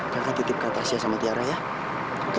kakak titip kata sya sama tiara ya oke